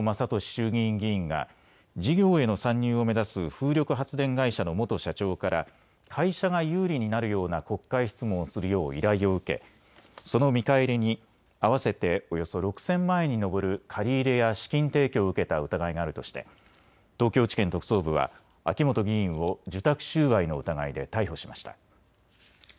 衆議院議員が事業への参入を目指す風力発電会社の元社長から会社が有利になるような国会質問をするよう依頼を受けその見返りに合わせておよそ６０００万円に上る借り入れや資金提供を受けた疑いがあるとして東京地検特捜部は秋本議員を受託収賄の疑いで逮捕しました。